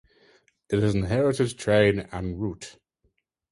It is an heritage train and route.